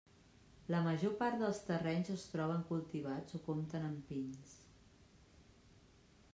La major part dels terrenys es troben cultivats o compten amb pins.